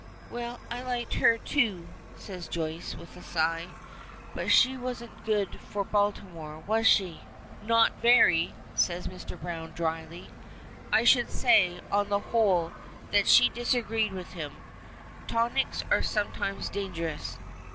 "Well, I liked her, too," says Joyce, with a sigh; "but she wasn't good for Baltimore, was she?" "Not very!" says Mr. Browne, dryly. "I should say, on the whole, that she disagreed with him. Tonics are sometimes dangerous."